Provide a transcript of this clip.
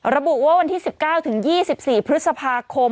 ระบุว่าวันที่๑๙ถึง๒๔พฤษภาคม